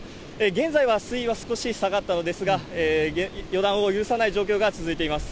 現在は水位は少し下がったのですが、予断を許さない状況が続いています。